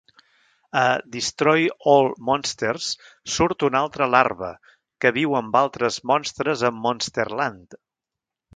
A Destroy All Monsters surt una altra larva, que viu amb altres monstres a Monsterland.